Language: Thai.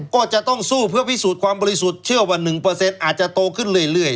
ก็จะต้องสู้เพื่อพิสูจน์ความบริสุทธิ์เชื่อว่า๑อาจจะโตขึ้นเรื่อย